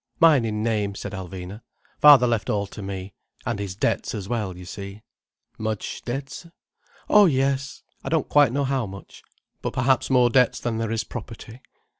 "Mine in name," said Alvina. "Father left all to me—and his debts as well, you see." "Much debts?" "Oh yes! I don't quite know how much. But perhaps more debts than there is property.